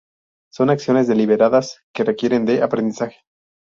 Son acciones deliberadas que requieren de aprendizaje.